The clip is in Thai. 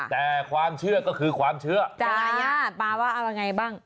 แต่ความเชื่อก็คือความเชื่อจาญาติปาว่าเอายังไงบ้าง